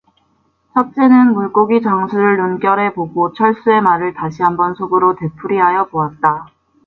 첫째는 물고기 장수를 눈결에 보고 철수의 말을 다시 한번 속으로 되풀이하여 보았다.